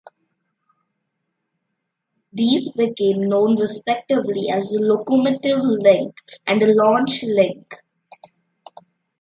These became known respectively as the 'locomotive link' and the 'launch link'.